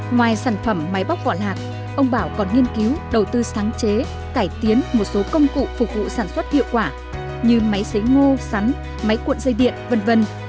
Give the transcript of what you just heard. ngoài sản phẩm máy bóc vỏ lạc ông bảo còn nghiên cứu đầu tư sáng chế cải tiến một số công cụ phục vụ sản xuất hiệu quả như máy xế ngô sắn máy cuộn dây điện v v